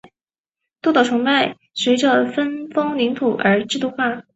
社的崇拜随着分封领土而制度化。